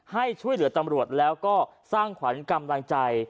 ให้ช่วยเหลือตำรวจแล้วก็สร้างขวัญกำลังใจ